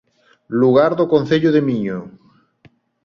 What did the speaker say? Lugar do Concello de Miño